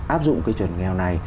áp dụng cái chuẩn nghèo này